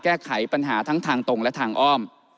แก้ไขปัญหาทั้งทางตรงและทางอ้อม